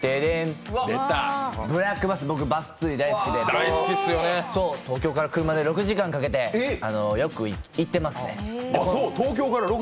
僕、バス釣り大好きで、東京から車で６時間かけて、よく行ってますね。